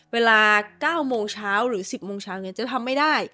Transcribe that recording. เวลา๙โมงเช้าหรือ๑๐โมงเช้าจะทำไม่ได้